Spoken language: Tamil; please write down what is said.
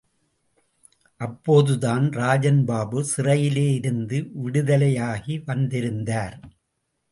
அப்போதுதான் ராஜன் பாபு சிறையிலே இருந்து விடுதலையாகி வந்திருந்தார்.